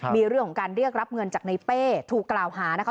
มีเรื่องของการเรียกรับเงินจากในเป้ถูกกล่าวหานะคะ